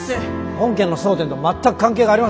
本件の争点と全く関係がありません。